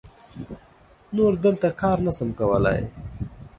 نور دلته کار نه سم کولای.